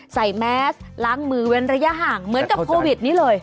แมสล้างมือเว้นระยะห่างเหมือนกับโควิดนี้เลย